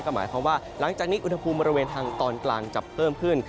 หมายความว่าหลังจากนี้อุณหภูมิบริเวณทางตอนกลางจะเพิ่มขึ้น